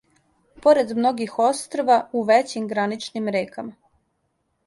Поред многих острва у већим граничним рекама